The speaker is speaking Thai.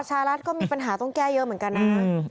สหรัฐก็มีปัญหาต้องแก้เยอะเหมือนกันนะคะ